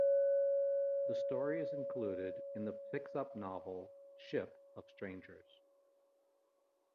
The story is included in the fixup novel "Ship of Strangers".